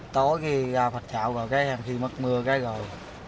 tối khi ra phạch chạo rồi cái hàng khi mắc mưa cái rồi